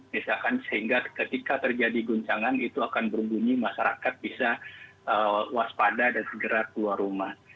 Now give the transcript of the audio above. misalkan sehingga ketika terjadi guncangan itu akan berbunyi masyarakat bisa waspada dan segera keluar rumah